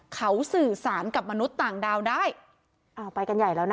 เขาสื่อสารกับมนุษย์ต่างดาวได้อ้าวไปกันใหญ่แล้วนะ